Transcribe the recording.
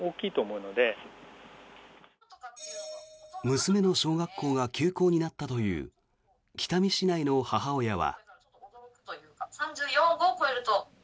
娘の小学校が休校になったという北見市内の母親は。